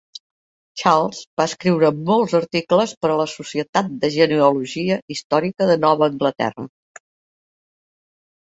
Charles va escriure molts articles per a la Societat de genealogia històrica de Nova Anglaterra.